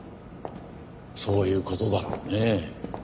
そういう事だろうね。